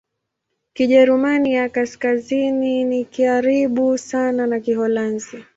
Kijerumani ya Kaskazini ni karibu sana na Kiholanzi.